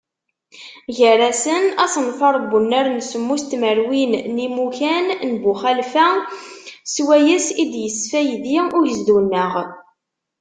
Gar-asen: Asenfar n unnar n semmus tmerwin n yimukan n Buxalfa, swayes i d-yesfaydi ugezdu-nneɣ.